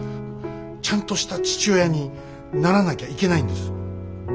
ちゃんとした父親にならなきゃいけないんです。